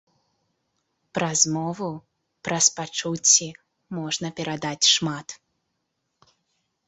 Праз мову, праз пачуцці можна перадаць шмат.